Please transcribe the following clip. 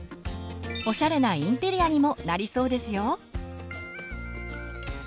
おしゃれなインテリアにもなりそうですよ。